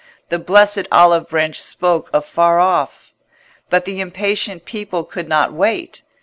The blessed olive branch spoke afar off. But the impatient people could not wait.